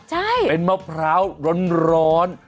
ใช่เป็นมะพร้าวร้อน